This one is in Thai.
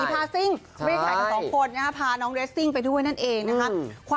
เวทีคอนเสิร์ตแพทย์นับประพาหอบลูกไปด้วยนะจ๊ะ